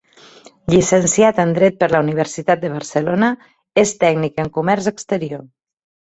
Llicenciat en dret per la Universitat de Barcelona, és tècnic en comerç exterior.